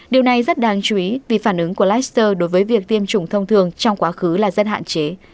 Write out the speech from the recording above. điều này rất đáng chú ý vì phản ứng của laser đối với việc tiêm chủng thông thường trong quá khứ là rất hạn chế